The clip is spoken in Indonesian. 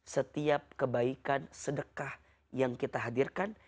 setiap kebaikan sedekah yang kita hadirkan